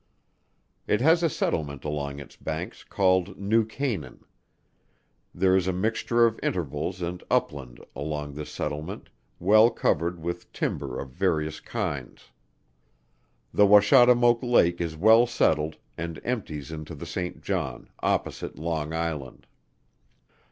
It has a settlement along its banks, called New Canaan. There is a mixture of intervals and upland along this settlement, well covered with timber of various kinds. The Washademoak lake is well settled, and empties into the St. John, opposite Long Island.